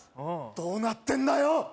どうなってんだよ